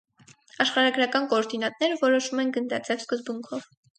Աշխարհագրական կոորդինատները որոշվում են գնդաձև սկզբունքով։